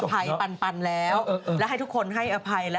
พี่น้ำชาไปต่ออันนี้น่ะ